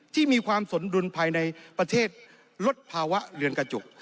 ที่มีความสนดุลภายในประเทศลดภาวะเรือนกระจก